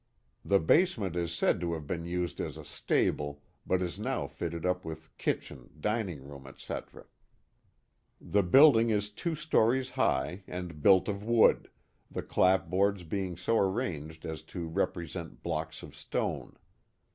The basement is said to have been used as a stable, but is now fitted up with kitchen, dining room, etc. The building is two stories high, and built of wood, the clapboards being so arranged as to represent blocks of stone.